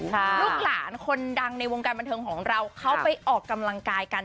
ลูกหลานคนดังในวงการบันเทิงของเราเขาไปออกกำลังกายกัน